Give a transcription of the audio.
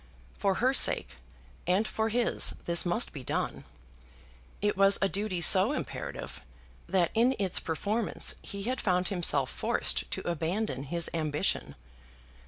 For her sake and for his this must be done. It was a duty so imperative, that in its performance he had found himself forced to abandon his ambition.